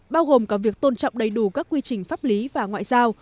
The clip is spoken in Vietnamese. bao gồm cả việc tôn trọng đầy đủ các quy trình pháp lý và ngoại giao